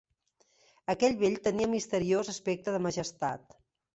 Aquell vell tenia misteriós aspecte de majestat